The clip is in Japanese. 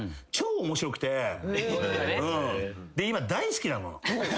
今大好きだもの。